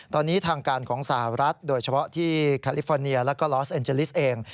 ตอนนี้ทางการของสหรัฐโดยเฉพาะที่แคลิฟอร์เนียแล้วก็ลอสเอ็นเจลิสเอง